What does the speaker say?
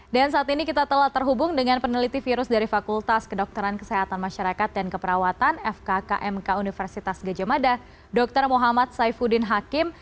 dan saat ini kita telah terhubung dengan peneliti virus dari fakultas kedokteran kesehatan masyarakat dan keperawatan fkkmk universitas gejemada dr muhammad saifuddin hakim